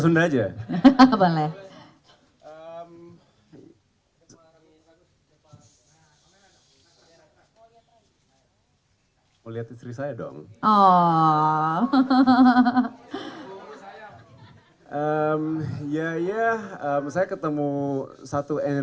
um dia bertemu batcai